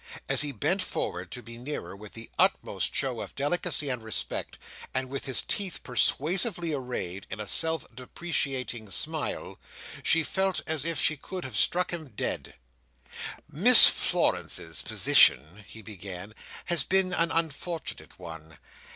As he bent forward, to be nearer, with the utmost show of delicacy and respect, and with his teeth persuasively arrayed, in a self depreciating smile, she felt as if she could have struck him dead. "Miss Florence's position," he began, "has been an unfortunate one.